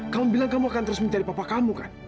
kamu bilang kamu akan terus mencari papa kamu kan